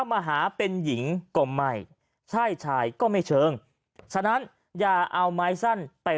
มาหาเป็นหญิงก็ไม่ใช่ชายก็ไม่เชิงฉะนั้นอย่าเอาไม้สั้นไป